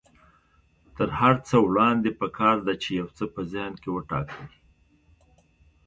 تر هر څه وړاندې پکار ده چې يو څه په ذهن کې وټاکئ.